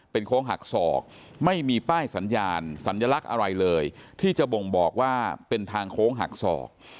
โค้งหักศอกไม่มีป้ายสัญญาณสัญลักษณ์อะไรเลยที่จะบ่งบอกว่าเป็นทางโค้งหักศอก